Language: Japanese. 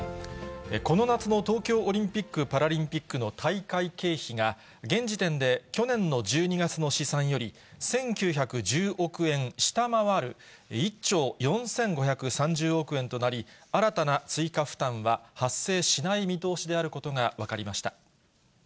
この夏の東京オリンピック・パラリンピックの大会経費が、現時点で、去年の１２月の試算より１９１０億円下回る、１兆４５３０億円となり、新たな追加負担は発生しない見通しであることが分かりました。